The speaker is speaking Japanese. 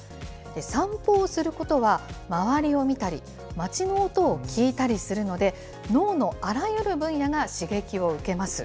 散歩をすることは、周りを見たり、町の音を聞いたりするので、脳のあらゆる分野が刺激を受けます。